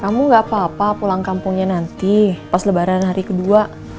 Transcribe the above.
kamu gak apa apa pulang kampungnya nanti pas lebaran hari kedua